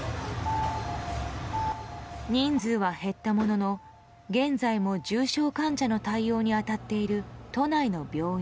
人数は減ったものの現在も重症患者の対応に当たっている都内の病院。